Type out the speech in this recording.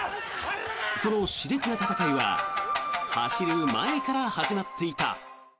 その熾烈な戦いは走る前から始まっていた。